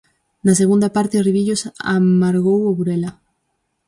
Na segunda parte Rivillos amargou o Burela.